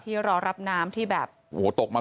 ที่รอรับน้ำที่แบบไหลลงมา